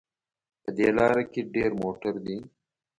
په دې لاره کې ډېر موټر دي